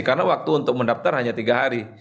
karena waktu untuk mendaftar hanya tiga hari